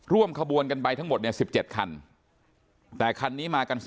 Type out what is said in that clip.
ร่วมขบวนกันไปทั้งหมด๑๗คัน